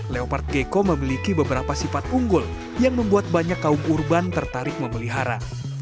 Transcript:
leopard gecko memiliki beberapa sifat unggul yang membuat banyak kaum urban tertarik memelihara